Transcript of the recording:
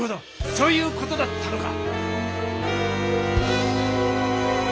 そういう事だったのか！